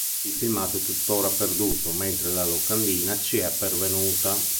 Il filmato è tuttora perduto, mentre la locandina ci è pervenuta.